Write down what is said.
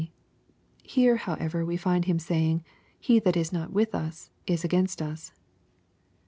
Here, however, we find Him saying, " He that is not with us, is against us."